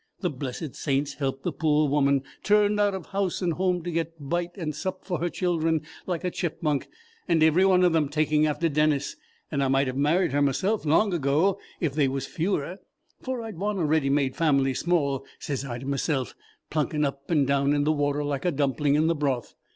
The blessed saints help the poor woman, turned out of house and home to get bite and sup for her children like a chipmunk, and every one of them taking after Dennis, and I might have married her meself long ago if they was fewer, for I'd want a ready made family small,' sez I to meself, plunking up and down in the water like a dumpling in the broth.